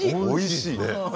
おいしいね！